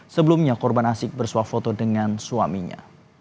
sebelumnya korban asik bersuah foto dengan suaminya